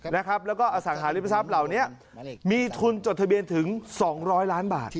แล้วก็อสังหาริมทรัพย์เหล่านี้มีทุนจดทะเบียนถึง๒๐๐ล้านบาท